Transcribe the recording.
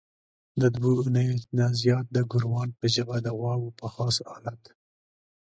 د دوو اونیو نه زیات د ګوروان په ژبه د غواوو په خاص الت.